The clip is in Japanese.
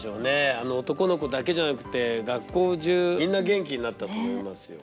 あの男の子だけじゃなくて学校中みんな元気になったと思いますよ。